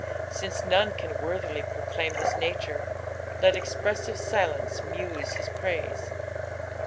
Since none can worthily proclaim his nature, let " expressive silence muse his praise."